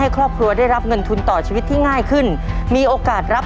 ขอบคุณครับ